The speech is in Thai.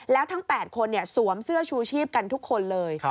แล้วทั้ง๘คนสวมเสื้อชูชีพกันทุกคนเลย